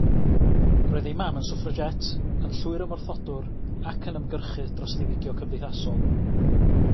Roedd ei mam yn swffragét, yn llwyrymwrthodwr ac yn ymgyrchydd dros ddiwygio cymdeithasol.